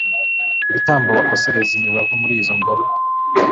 ibitambo bakosereza imibavu muri izo ngoro